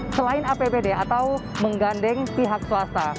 selain apbd atau menggandeng pihak swasta